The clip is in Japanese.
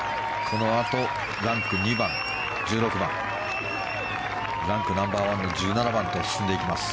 このあと、ランク２番の１６番ランクナンバー１の１７番と進んでいきます。